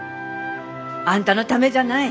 あんたのためじゃない。